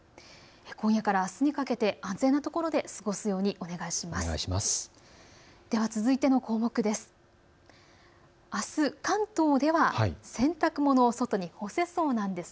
今夜からあすにかけて安全な所で過ごすようにお願いします。